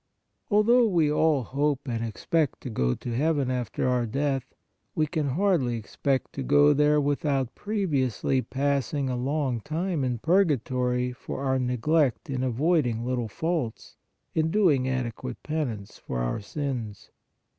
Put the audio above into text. Although we all hope and expect to go to heaven after our death, we can hardly expect to go there without previously passing a long time in purgatory for our neglect in avoiding little faults, in doing adequate penance for our sins.